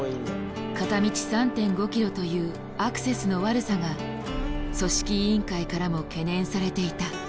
片道３．５ｋｍというアクセスの悪さが組織委員会からも懸念されていた。